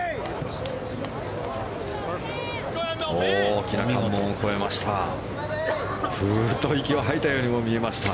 大きな関門を越えました。